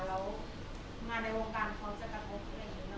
แล้วมาในโรงการเขาจะกระทบหรือยัง